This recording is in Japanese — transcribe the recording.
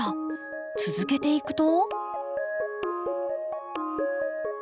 続けていくと。